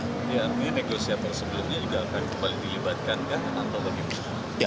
ini negosiatur sebelumnya juga akan kembali dilibatkan kan